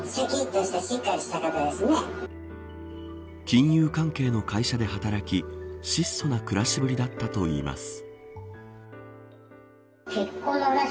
金融関係の会社で働き質素な暮らしぶりだったといいます。